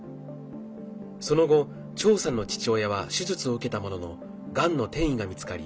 その後、趙さんの父親は手術を受けたもののがんの転移が見つかり